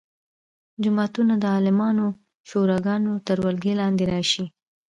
جوماتونه د عالمانو شوراګانو تر ولکې لاندې راشي.